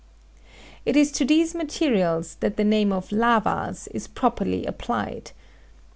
It is to these materials that the name of "lavas" is properly applied.